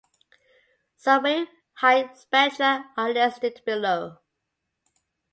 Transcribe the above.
Some wave height spectra are listed below.